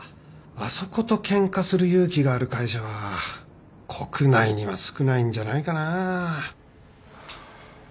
あそことケンカする勇気がある会社は国内には少ないんじゃないかな